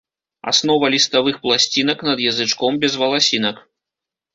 Аснова ліставых пласцінак над язычком без валасінак.